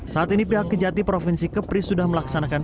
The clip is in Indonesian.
saat ini pihak kejati provinsi kepri sudah melaksanakan